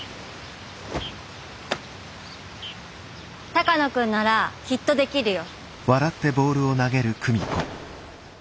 鷹野君ならきっとできるよ。